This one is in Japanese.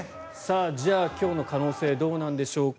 じゃあ今日の可能性はどうでしょうか。